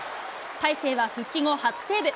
大勢は復帰後、初セーブ。